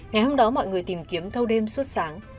ngày hôm đó mọi người tìm kiếm thâu đêm suốt sáng